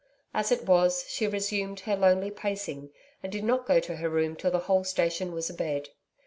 As it was, she resumed her lonely pacing, and did not go to her room till the whole station was abed.